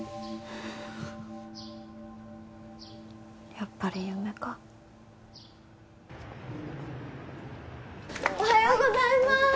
やっぱり夢かおはようございます